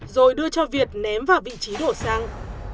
rồi đưa cho việt ném vào vị trí đổ xăng